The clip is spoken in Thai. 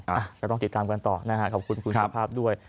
ก็ต้องติดตามกันต่อนะฮะขอบคุณคุณสุภาพด้วย